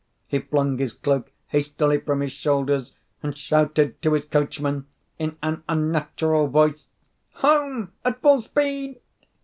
He flung his cloak hastily from his shoulders and shouted to his coachman in an unnatural voice, "Home at full speed!"